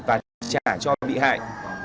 và trả cho mỹ